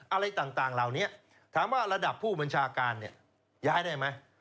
อะไรต่างเหล่านี้ถามว่าระดับผู้บัญชาการเนี่ยย้ายได้ไหม